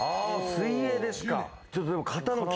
水泳ですか。